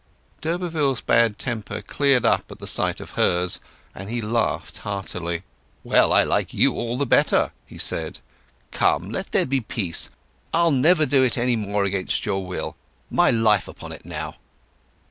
D'Urberville's bad temper cleared up at sight of hers; and he laughed heartily. "Well, I like you all the better," he said. "Come, let there be peace. I'll never do it any more against your will. My life upon it now!"